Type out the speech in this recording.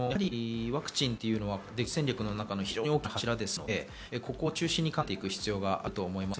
ワクチンは出口戦略の中の非常に大きな柱ですので、ここを中心に考える必要があると思います。